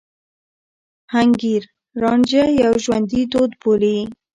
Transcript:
حنکير رانجه يو ژوندي دود بولي.